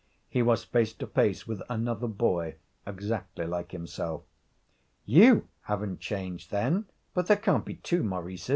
He was face to face with another boy, exactly like himself. 'You haven't changed, then but there can't be two Maurices.'